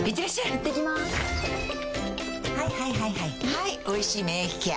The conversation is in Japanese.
はい「おいしい免疫ケア」